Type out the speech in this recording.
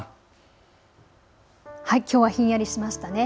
きょうはひんやりしましたね。